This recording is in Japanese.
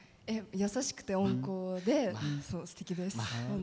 優しくて温厚ですてきです。